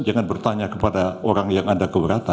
jangan bertanya kepada orang yang ada keberatan